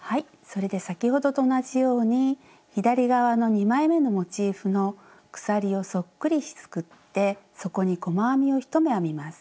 それで先ほどと同じように左側の２枚めのモチーフの鎖をそっくりすくってそこに細編みを１目編みます。